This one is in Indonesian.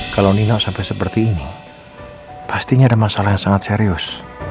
kalau nino sampai seperti ini pastinya ada masalah yang sangat serius